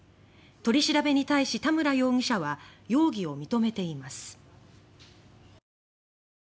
取り調べに対し、田村容疑者は容疑を認めています。